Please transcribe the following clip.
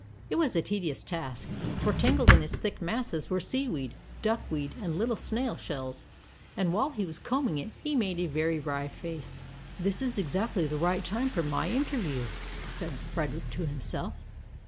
It was a tedious task, for tangled in its thick masses were seaweed, duckweed, and 84 Tales of Modern Germany little snail shells, and while he was combing it, he made a very wry face. "This is exactly the right time for my interview,^' said Frederick to himself.